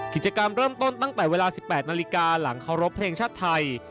กิจกรรมเริ่มต้นตั้งแต่เวลา๑๘นาฬิกาหลังเคารพเพลงชาติไทย